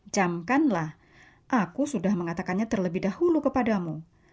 jamkanlah aku sudah mengatakannya terlebih dahulu kepadamu